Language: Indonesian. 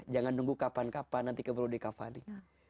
jangan nunggu kapan kapan nanti keburu di kafani